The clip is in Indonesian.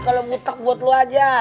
kalo butek buat lo aja